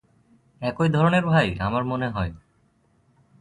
এক ধরনের ভাই, আমার মনে হয়?